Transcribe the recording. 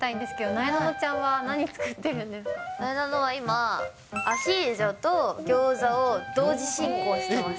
なえなのは今、アヒージョとギョーザを同時進行してます。